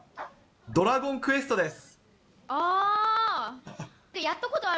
ドラゴンクエストです。